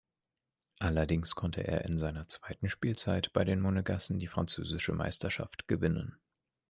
Allerdings konnte er in seiner zweiten Spielzeit bei den Monegassen die französische Meisterschaft gewinnen.